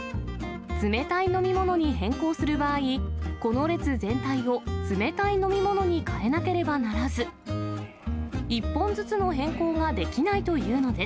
冷たい飲み物に変更する場合、この列全体を冷たい飲み物に変えなければならず、１本ずつの変更